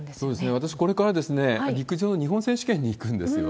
私、これから陸上の日本選手権に行くんですよ。